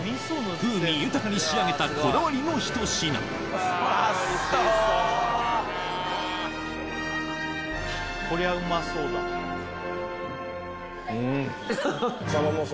風味豊かに仕上げたこだわりのひと品うん！